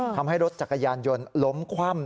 ทำให้รถจักรยานยนต์ล้มคว่ำ